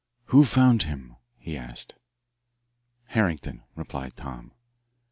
"Who found him?" he asked. "Harrington," replied Tom.